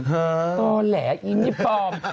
เฮ่อตัวแหละอิ่มนี่ปลอม